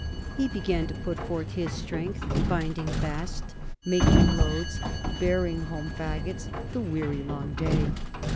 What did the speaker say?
He began to put forth his strength, binding bast, making loads, and bearing home faggots the weary long day.